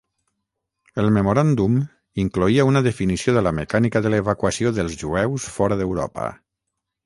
El memoràndum incloïa una definició de la mecànica de l'evacuació dels jueus fora d'Europa.